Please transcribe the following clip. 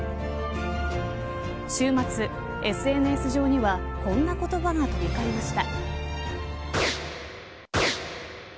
週末、ＳＮＳ上にはこんな言葉が飛び交いました。